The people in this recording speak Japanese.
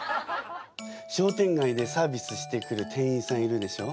商店街でサービスしてくる店員さんいるでしょ？